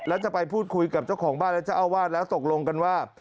แล้วจะไปพูดคุยกับเจ้าของบ้านและเจ้าอาวาสแล้วตกลงกันว่า